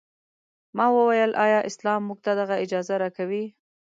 ما وویل ایا اسلام موږ ته دغه اجازه راکوي.